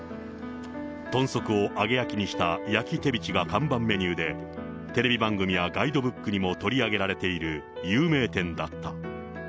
豚足を揚げ焼きにした焼きテビチが看板メニューで、テレビ番組やガイドブックにも取り上げられている有名店だった。